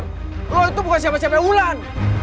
luar sadar lu itu bukan siapa siapanya ulan